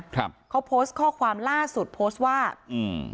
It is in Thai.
ครับเขาโพสต์ข้อความล่าสุดโพสต์ว่าอืม